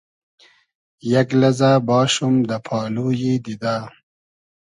یئگ لئزۂ باشوم دۂ پالویی دیدۂ